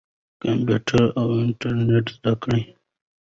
کمپیوټر او انټرنیټ زده کړئ.